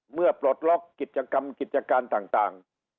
ปลดล็อกกิจกรรมกิจการต่าง